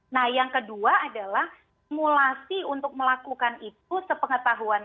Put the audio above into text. nah yang kedua adalah simulasi untuk melakukan itu sepengetahuan